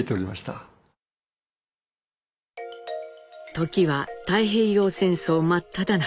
時は太平洋戦争真っただ中。